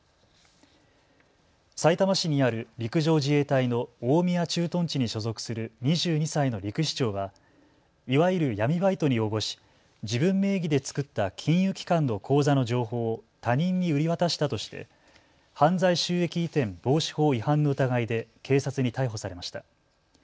さいたま市にある陸上自衛隊の大宮駐屯地に所属する２２歳の陸士長はいわゆる闇バイトに応募し自分名義で作った金融機関の口座の情報を他人に売り渡したとして犯罪収益移転防止法違反の疑いで警察に逮捕されました。